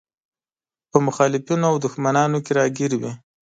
په مخالفينو او دښمنانو کې راګير وي.